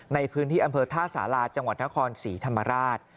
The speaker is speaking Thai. ในพื้นที่อำเภอท่าสาราจังหวัดนครศรีธรรมราช